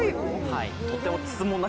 はい。